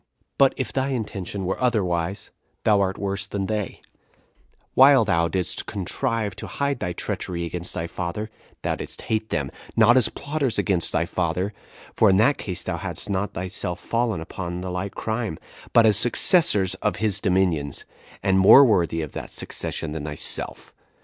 But if thy intention were otherwise, thou art worse than they: while thou didst contrive to hide thy treachery against thy father, thou didst hate them, not as plotters against thy father, for in that case thou hadst not thyself fallen upon the like crime, but as successors of his dominions, and more worthy of that succession than thyself.